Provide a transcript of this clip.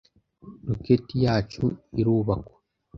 Roketi yacu irubakwa.